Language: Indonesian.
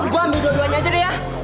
gue ambil dua duanya aja deh ya